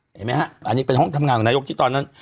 เห็นไหมฮะอันนี้เป็นห้องทำงานของนายกที่ตอนนั้น